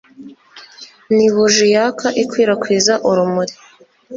ni buji yaka, ikwirakwiza urumuri